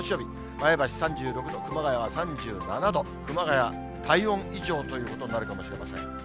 前橋３６度、熊谷は３７度、熊谷、体温以上ということになるかもしれません。